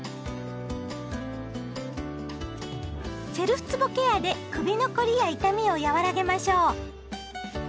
セルフつぼケアで首の凝りや痛みを和らげましょう。